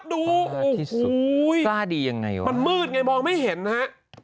ดูโอ้โหกล้าดียังไงวะมันมืดไงมองไม่เห็นฮะ